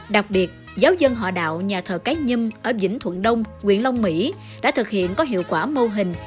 đặc biệt giáo dân hòa đạo nhà thờ cái nhâm ở vĩnh thuận đông nguyện long mỹ đã thực hiện có hiệu quả mô hình